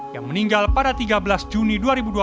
yang meninggal pada tiga belas juni dua ribu dua puluh